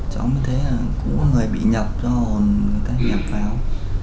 cháu mới thấy là cũng có người bị nhập cho người ta nhập vào